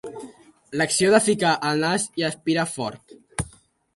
L'acció de ficar el nas i aspirar fort.